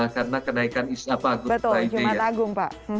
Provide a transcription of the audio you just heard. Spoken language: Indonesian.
karena kenaikan jumat agung